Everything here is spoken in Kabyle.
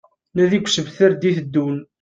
Nadi deg usebter d-iteddun